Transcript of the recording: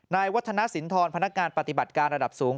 วัฒนสินทรพนักงานปฏิบัติการระดับสูง